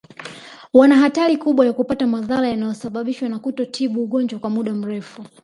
Wana hatari kubwa ya kupata madhara yanayosababishwa na kutotibu ugonjwa kwa muda mrefu